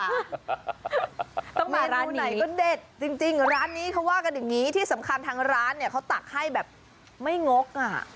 ต้องมาร้านนี้ร้านนี้เขาว่ากันอย่างนี้ที่สำคัญทางร้านเขาตักให้แบบไม่งก